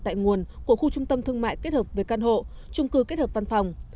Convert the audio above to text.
tại nguồn của khu trung tâm thương mại kết hợp với căn hộ trung cư kết hợp văn phòng